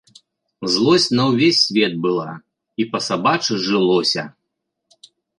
Злосць на ўвесь свет была, і па-сабачы жылося.